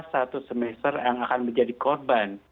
satu semester yang akan menjadi korban